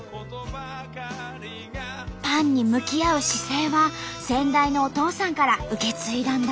パンに向き合う姿勢は先代のお父さんから受け継いだんだって。